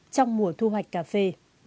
trong mùa thu hoạch cà phê